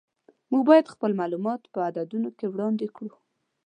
موږ باید خپل معلومات په عددونو کې وړاندې کړو.